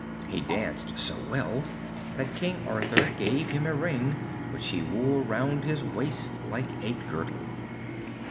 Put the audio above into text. He danced so well that King Arthur gave him a ring, which he wore round his waist like a girdle.